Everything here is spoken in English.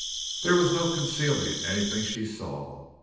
There was no concealing anything she saw.